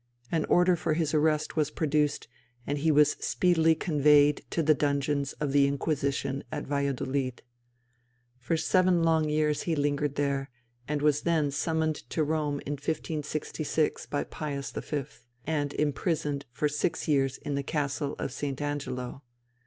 An order for his arrest was produced, and he was speedily conveyed to the dungeons of the Inquisition at Valladolid. For seven long years he lingered there, and was then summoned to Rome in 1566 by Pius V. and imprisoned for six years in the Castle of St. Angelo.